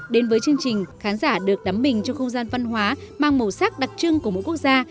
đến với chương trình khán giả được đắm mình trong không gian văn hóa mang màu sắc đặc trưng của mỗi quốc gia